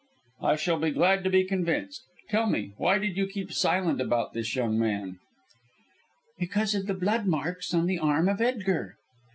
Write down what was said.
"I shall be glad to be convinced. Tell me, why did you keep silent about this young man?" "Because of the blood marks on the arm of Edgar."